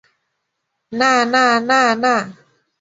না না না না।